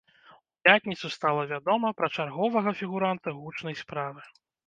У пятніцу стала вядома пра чарговага фігуранта гучнай справы.